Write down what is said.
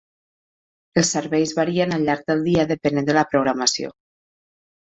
Els serveis varien al llarg del dia depenent de la programació.